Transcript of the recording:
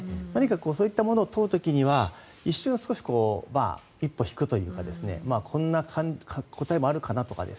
そういったものを問う時には一瞬、一歩引くというかこんな答えもあるかなとか